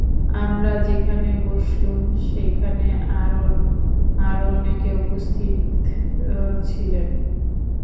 আমরা যেখানে বসলুম, সেখানে আরও অনেকে উপস্থিত ছিলেন।